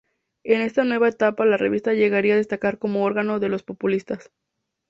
En esta nueva etapa la revista llegaría a destacar como órgano de los populistas.